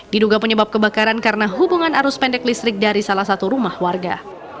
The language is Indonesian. diduga penyebab kebakaran karena hubungan arus pendek listrik dari salah satu rumah warga